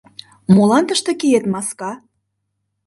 — Молан тыште киет, маска?